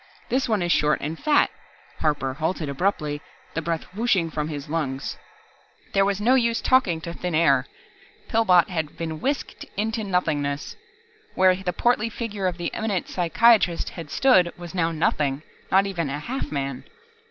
"This one is short and fat " Harper halted abruptly, the breath whooshing from his lungs. There was no use talking to thin air. Pillbot had been whisked into nothingness. Where the portly figure of the eminent psychiatrist had stood was now nothing, not even a half man.